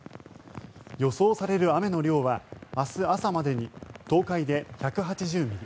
予想される雨の量は明日朝までに、東海で１８０ミリ